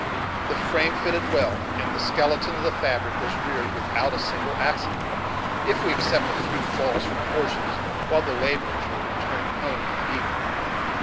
The frame fitted well; and the skeleton of the fabric was reared without a single accident, if we except a few falls from horses while the laborers were returning home in the evening.